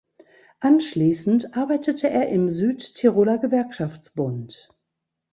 Anschließend arbeitete er im Südtiroler Gewerkschaftsbund.